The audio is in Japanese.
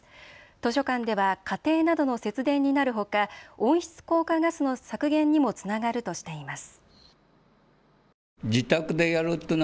図書館では家庭などの節電になるほか温室効果ガスの削減にもつながるとしています。